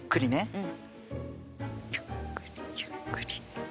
うん。